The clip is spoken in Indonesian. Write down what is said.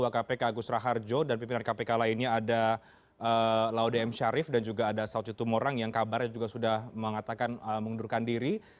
kpk agus raharjo dan pimpinan kpk lainnya ada laude m syarif dan juga ada saud situmorang yang kabarnya juga sudah mengatakan mengundurkan diri